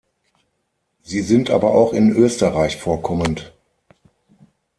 Sie sind aber auch in Österreich vorkommend.